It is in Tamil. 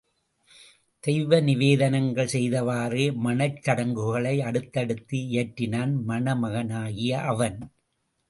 தெய்வ நிவேதனங்கள் செய்தவாறே மணச் சடங்குகளை அடுத்தடுத்து இயற்றினான் மணமகனாகிய அவன்.